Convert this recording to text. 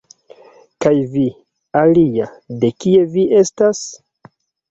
Kaj vi, alia, de kie vi estas?